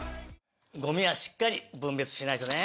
ゴミはしっかり分別しないとね。